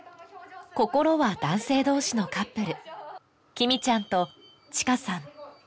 心は男性同士のカップルきみちゃんとちかさん